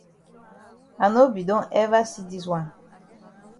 I no be don ever see dis wan.